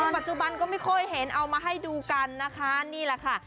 ปัจจุบันก็ไม่ค่อยเห็นเอามาให้ดูกันนะคะนี่แหละค่ะ